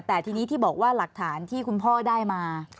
แต่ทีนี้ที่บอกว่าหลักฐานที่คุณพ่อได้มา